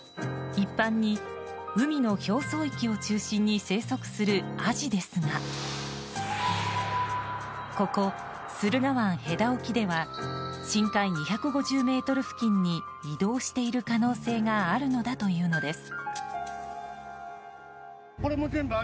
一般に海の表層域を中心に生息するアジですがここ駿河湾戸田沖では深海２５０ｍ付近に移動している可能性があるのだというのです。